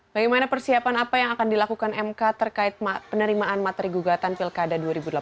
bagaimana persiapan apa yang akan dilakukan mk terkait penerimaan materi gugatan pilkada dua ribu delapan belas